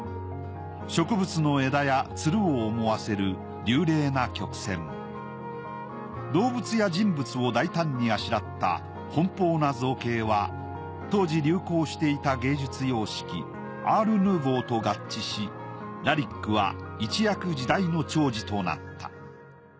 植物の枝やツルを思わせる流麗な曲線動物や人物を大胆にあしらった奔放な造形は当時流行していた芸術様式アール・ヌーヴォーと合致しラリックは一躍時代のちょうじとなった。